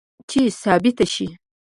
چې ثابته شي